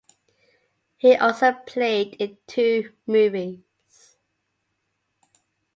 He also played in two movies.